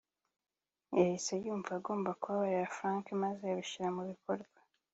yahise yumva agomba kubabarira Frank maze abishyira mu bikorwa